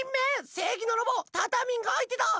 せいぎのロボタタミンがあいてだ！